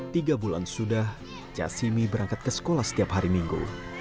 tiga bulan sudah jasimi berangkat ke sekolah setiap hari minggu